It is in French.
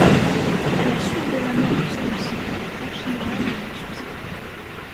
À la suite de la mort de celui-ci, Erchinoald lui succéda.